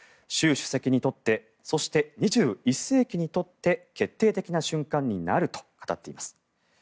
習主席にとってそして、２１世紀にとって決定的な瞬間になると語っています。